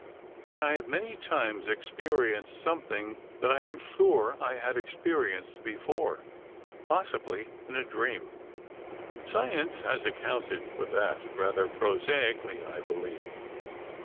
And I have many times experienced something that I am sure I had experienced before—possibly in a dream." "Science has accounted for that, rather prosaically, I believe."